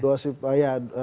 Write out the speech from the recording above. dua sipil ya